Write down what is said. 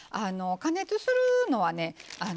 加熱するのはね